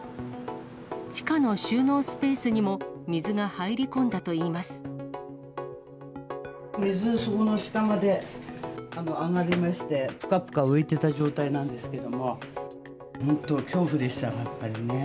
地下の収納スペースにも水が入り水、そこの下まで上がりまして、ぷかぷか浮いてた状態なんですけれども、本当、恐怖でした、やっぱりね。